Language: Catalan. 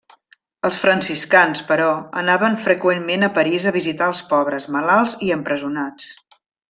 Els franciscans, però, anaven freqüentment a París a visitar els pobres, malalts i empresonats.